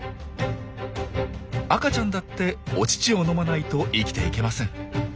赤ちゃんだってお乳を飲まないと生きていけません。